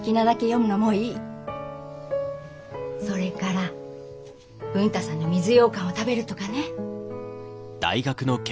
それから文太さんの水ようかんを食べるとかね。